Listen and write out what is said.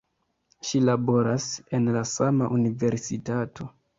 Ŝi laboras en la sama universitato.